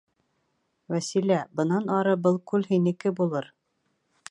— Вәсилә, бынан ары был күл һинеке булыр...